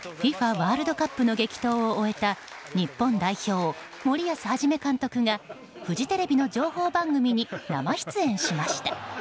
ワールドカップの激闘を終えた日本代表、森保一監督がフジテレビの情報番組に生出演しました。